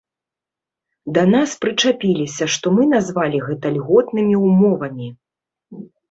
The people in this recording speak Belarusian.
Да нас прычапіліся што мы назвалі гэта льготнымі ўмовамі.